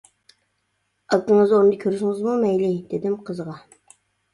ئاكىڭىز ئورنىدا كۆرسىڭىزمۇ مەيلى، — دېدىم قىزغا.